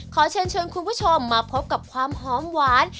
ขอเชิญชวนคุณผู้ชมมาพบกับความหอมหวาน